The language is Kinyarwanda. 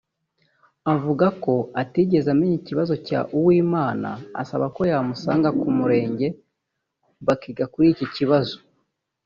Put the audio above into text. avuga ko atigeze amenya ikibazo cya Uwimana asaba ko yamusanga ku murenge bakiga kuri iki kibazo